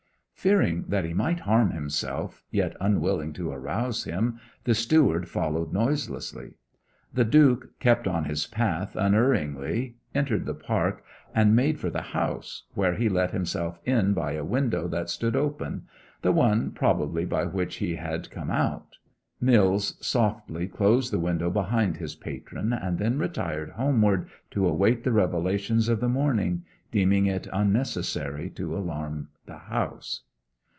Fearing that he might harm himself, yet unwilling to arouse him, the steward followed noiselessly. The Duke kept on his path unerringly, entered the park, and made for the house, where he let himself in by a window that stood open the one probably by which he had come out. Mills softly closed the window behind his patron, and then retired homeward to await the revelations of the morning, deeming it unnecessary to alarm the house.